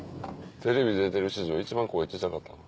テレビ出てる史上一番声小さかったな。